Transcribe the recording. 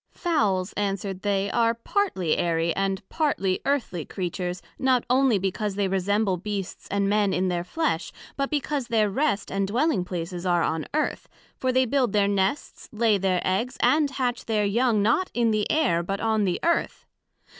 Fowls, answered they, are partly Airy, and partly Earthly Creatures, not onely because they resemble Beasts and Men in their flesh, but because their rest and dwelling places are on Earth; for they build their Nests, lay their Eggs, and hatch their Young, not in the Air, but on the Earth.